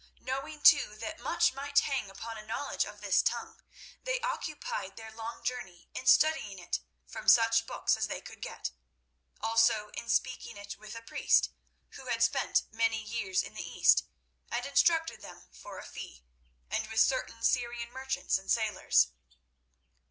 Knowing, too, that much might hang upon a knowledge of this tongue, they occupied their long journey in studying it from such books as they could get; also in speaking it with a priest, who had spent many years in the East, and instructed them for a fee, and with certain Syrian merchants and sailors.